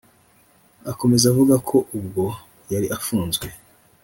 Akomeza avuga ko ubwo yari afunzwe